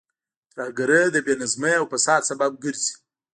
ترهګرۍ د بې نظمۍ او فساد سبب ګرځي.